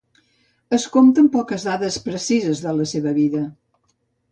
Es compta amb poques dades precises de la seva vida.